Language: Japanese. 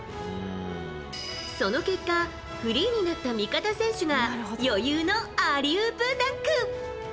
その結果フリーになった味方選手が余裕のアリウープダンク。